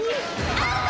アウト！